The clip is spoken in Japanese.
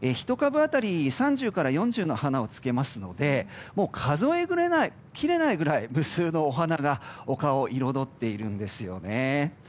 １株当たり３０から４０の花をつけますので数えきれないぐらい無数のお花が丘を彩っているんですよね。